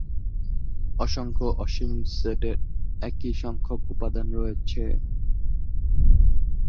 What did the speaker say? অসংখ্য অসীম সেটের একই সংখ্যক উপাদান রয়েছে।